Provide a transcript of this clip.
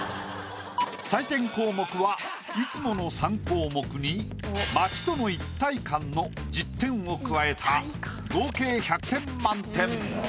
採点項目はいつもの３項目に「街との一体感」の１０点を加えた合計１００点満点。